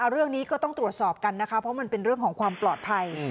เรื่องนี้ก็ต้องตรวจสอบกันนะคะเพราะมันเป็นเรื่องของความปลอดภัย